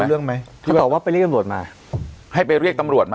รู้เรื่องไหมที่บอกว่าไปเรียกตำรวจมาให้ไปเรียกตำรวจมา